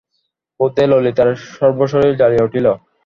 ক্রোধে ললিতার সর্বশরীর জ্বলিয়া উঠিল।